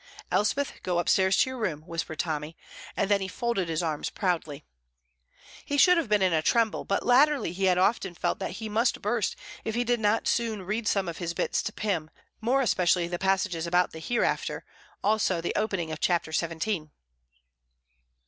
"Elspeth, go upstairs to your room," whispered Tommy, and then he folded his arms proudly. He should have been in a tremble, but latterly he had often felt that he must burst if he did not soon read some of his bits to Pym, more especially the passages about the hereafter; also the opening of Chapter Seventeen.